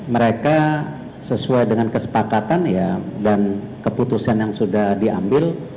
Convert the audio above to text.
mereka sesuai dengan kesepakatan dan keputusan yang sudah diambil